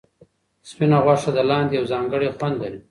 سپینه غوښه د لاندي یو ځانګړی خوند لري.